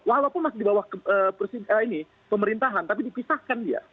walaupun masih di bawah pemerintahan tapi dipisahkan dia